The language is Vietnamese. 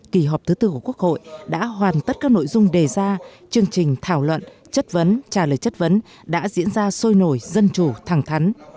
kỳ họp thứ tư của quốc hội đã hoàn tất các nội dung đề ra chương trình thảo luận chất vấn trả lời chất vấn đã diễn ra sôi nổi dân chủ thẳng thắn